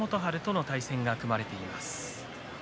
明日は若元春との対戦が組まれています。